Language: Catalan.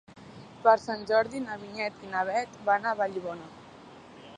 Per Sant Jordi na Vinyet i na Bet van a Vallibona.